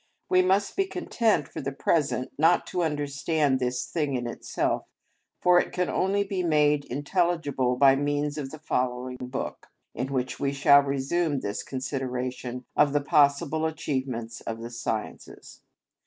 We must be content for the present not to understand this thing in itself, for it can only be made intelligible by means of the following book, in which we shall resume this consideration of the possible achievements of the sciences.